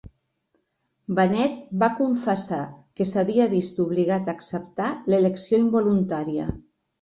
Benet va confessar que s'havia vist obligat a acceptar l'elecció involuntària.